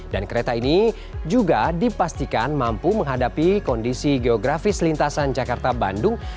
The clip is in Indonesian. dan kereta ini juga dipastikan mampu menghadapi kondisi geografis lintasan jakarta bandung